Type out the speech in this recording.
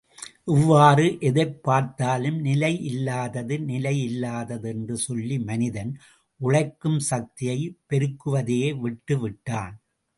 இவ்வாறு எதைப்பார்த் தாலும் நிலையில்லாதது நிலையில்லாதது என்று சொல்லி மனிதன் உழைக்கும் சக்தியைப் பெருக்குவதையே விட்டு விட்டான்.